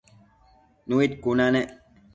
Nëid cuna nec